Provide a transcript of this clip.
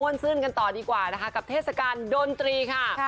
ซื่นกันต่อดีกว่านะคะกับเทศกาลดนตรีค่ะ